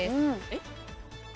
えっ？